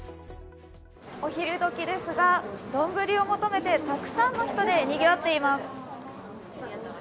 お昼どきですが、どんぶりを求めてたくさんの人でにぎわっています。